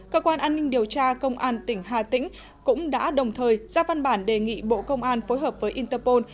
cơ quan an ninh điều tra công an tỉnh hà tĩnh cũng đã đồng thời ra văn bản đề nghị bộ công an phối hợp với interpol